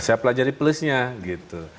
saya pelajari plusnya gitu